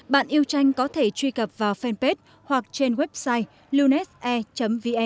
bạn yêu tranh có thể truy cập vào fanpage hoặc trên website lunetair com